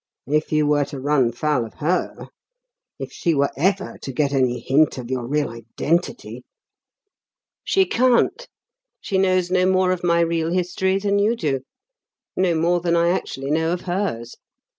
If you were to run foul of her if she were ever to get any hint of your real identity " "She can't. She knows no more of my real history than you do; no more than I actually know of hers.